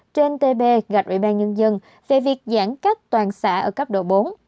trên tb gạch ủy ban nhân dân về việc giãn cách toàn xã ở cấp độ bốn